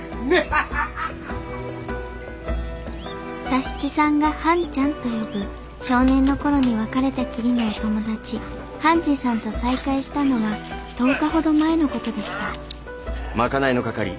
佐七さんが半ちゃんと呼ぶ少年のころに別れたきりのお友達半次さんと再会したのは１０日ほど前の事でした賄いの掛かり